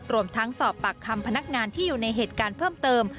รวมทั้งสอบปากคำพนักงานที่อยู่ในเหตุการณ์เพิ่มเติม